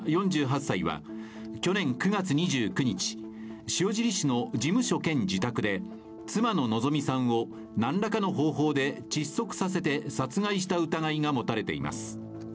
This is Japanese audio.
４８歳は去年９月２９日、塩尻市の事務所兼自宅で妻の希美さんを何らかの方法で窒息させて殺害した疑いがもたれています。